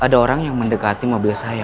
ada orang yang mendekati mobil saya